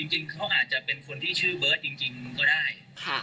จริงเขาอาจจะเป็นคนที่ชื่อเบิร์ตจริงก็ได้